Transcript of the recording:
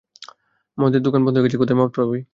মদের দোকান বন্ধ হয়ে গেছে, কোথায় মদ পাবি?